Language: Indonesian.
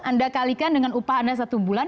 anda kalikan dengan upah anda satu bulan